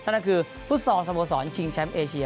นั่นก็คือฟุตซอลสโมสรชิงแชมป์เอเชีย